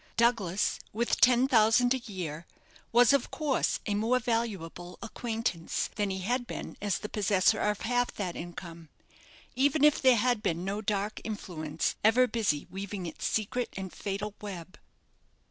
Douglas, with ten thousand a year, was, of course, a more valuable acquaintance than he had been as the possessor of half that income, even if there had been no dark influence ever busy weaving its secret and fatal web.